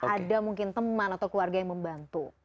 ada mungkin teman atau keluarga yang membantu